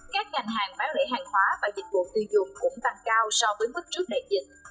các ngành hàng bán lẻ hàng hóa và dịch vụ tiêu dùng cũng tăng cao so với mức trước đại dịch